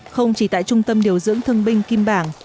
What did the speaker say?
không chỉ tại trung tâm điều dưỡng thương binh kim bảng